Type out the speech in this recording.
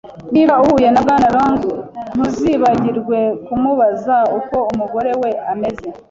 Niba uhuye na Bwana Lang, ntuzibagirwe kumubaza uko umugore we ameze.